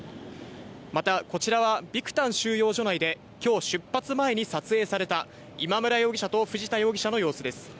また、こちらはビクタン収容所内で今日出発前に撮影された今村容疑者と藤田容疑者の様子です。